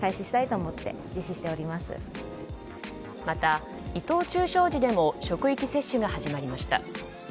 また、伊藤忠商事でも職域接種が始まりました。